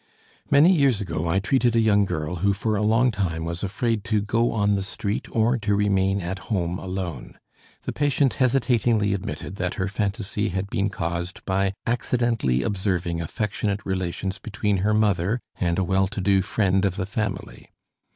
Many years ago I treated a young girl who for a long time was afraid to go on the street, or to remain at home alone. The patient hesitatingly admitted that her phantasy had been caused by accidentally observing affectionate relations between her mother and a well to do friend of the family.